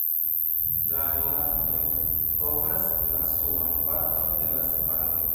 La glandoj kovras la suban parton de la sepaloj.